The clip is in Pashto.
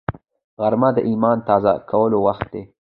غرمه د ایمان تازه کولو وخت دی